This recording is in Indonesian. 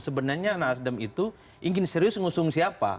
sebenarnya nasdem itu ingin serius mengusung siapa